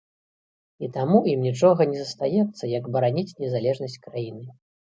І таму ім нічога не застаецца, як бараніць незалежнасць краіны.